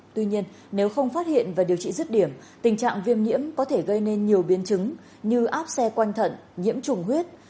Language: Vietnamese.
tuy nhiên nếu không phát hiện và điều trị rứt điểm tình trạng viêm nhiễm có thể gây nên nhiều biến chứng như áp xe quanh thận nhiễm trùng huyết